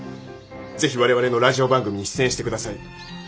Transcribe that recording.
是非我々のラジオ番組に出演して下さい。